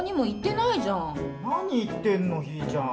何言ってんの、ひーちゃん。